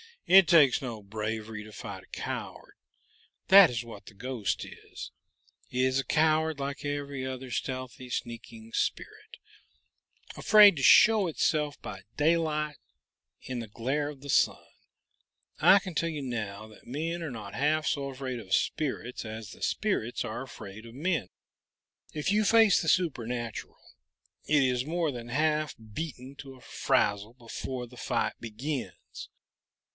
It takes no bravery to fight a coward that is what the ghost is. It's a coward like every other stealthy, sneaking spirit, afraid to show itself by daylight, in the glare of the sun. I can tell you now that men are not half so afraid of spirits as the spirits are afraid of men. If you face the supernatural, it is more than half beaten to a frazzle, before the fight begins.